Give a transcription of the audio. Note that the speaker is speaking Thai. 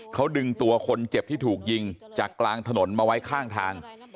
เขาดึงตัวคนเจ็บที่ถูกยิงจากกลางถนนมาไว้ข้างทาง